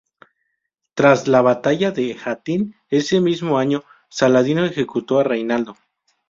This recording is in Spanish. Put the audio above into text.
Tras la Batalla de Hattin ese mismo año, Saladino ejecutó a Reinaldo.